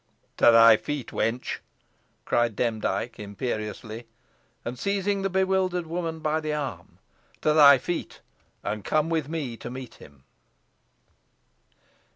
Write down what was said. "To thy feet, wench!" cried Demdike, imperiously, and seizing the bewildered woman by the arm; "to thy feet, and come with me to meet him!"